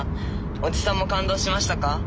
おじさんも感動しましたか？